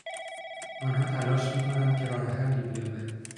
آنها تلاش میکنند که راه حلی بیابند.